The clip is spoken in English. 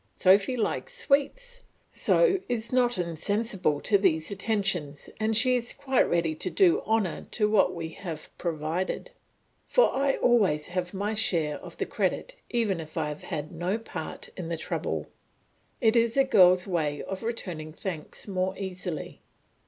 Sophy likes sweets, so is not insensible to these attentions, and she is quite ready to do honour to what we have provided; for I always have my share of the credit even if I have had no part in the trouble; it is a girl's way of returning thanks more easily.